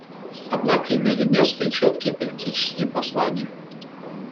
Однако имели место и четкие политические послания.